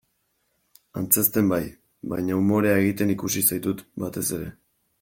Antzezten bai, baina umorea egiten ikusi zaitut batez ere.